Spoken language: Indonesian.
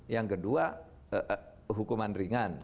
yang kedua hukuman ringan